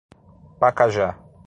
Pacajá